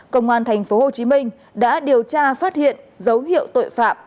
công an tp hcm đã điều tra phát hiện dấu hiệu tội phạm